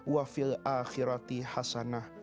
wafil akhirati hasanah